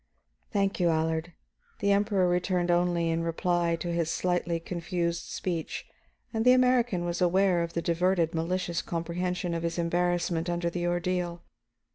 "Thank you, Allard," the Emperor returned only in reply to his slightly confused speech, and the American was aware of the diverted, malicious comprehension of his embarrassment under the ordeal.